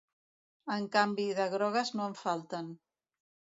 En canvi, de grogues no en falten.